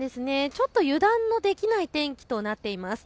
ちょっと油断のできない天気となっています。